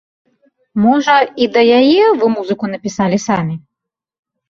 Можа, і да яе вы музыку напісалі самі?